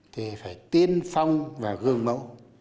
thì phải tiên phong và gương mẫu